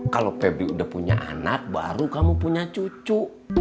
kalau pb udah punya anak baru kamu punya cucu